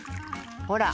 ほら。